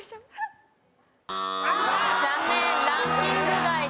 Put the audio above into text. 残念ランキング外です。